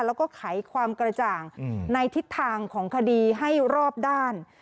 แล้วก็ไขความกระจ่างในทิศทางของคดีให้รอบด้าน